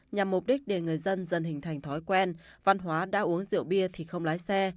nhằm mục đích để người dân dần hình thành thói quen văn hóa đã uống rượu bia thì không lái xe